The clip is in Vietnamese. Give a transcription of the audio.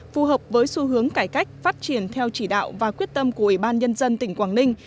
phù hợp với xu hướng cải cách phát triển theo chỉ đạo và quyết tâm của ủy ban nhân dân tỉnh quảng ninh